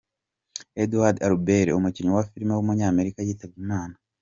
Edward Albert, umukinnyi wa film w’umunyamerika yitabye Imana.